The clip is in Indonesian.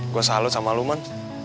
gue salut sama lu man